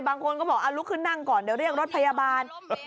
บางคนก็บอกลุกขึ้นนั่งก่อนเดี๋ยวเรียกรถพยาบาล